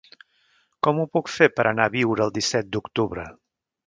Com ho puc fer per anar a Biure el disset d'octubre?